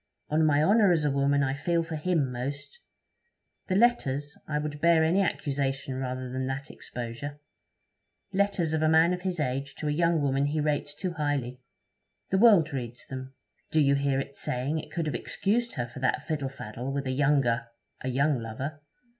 On my honour, as a woman, I feel for him most. The letters I would bear any accusation rather than that exposure. Letters of a man of his age to a young woman he rates too highly! The world reads them. Do you hear it saying it could have excused her for that fiddle faddle with a younger a young lover?